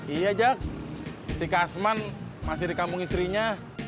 iya jak si kasman masih di kampung istrinya